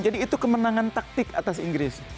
jadi itu kemenangan taktik atas inggris